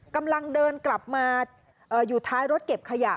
กำลังเดินกลับมาอยู่ท้ายรถเก็บขยะ